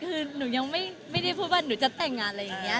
คือหนูยังไม่ได้พูดว่าหนูจะแต่งงานอะไรอย่างนี้